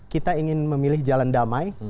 kita ingin memilih jalan damai